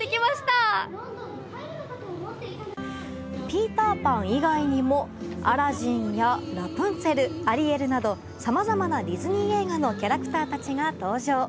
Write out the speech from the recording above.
ピーターパン以外にもアラジンやラプンツェルアリエルなどさまざまなディズニー映画のキャラクターたちが登場。